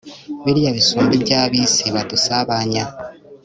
biriya bisumba ibya b'isi badusabanya